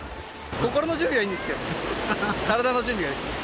心の準備はいいんですけどね。